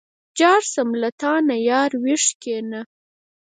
ځار شم له تانه ياره ویښ کېنه.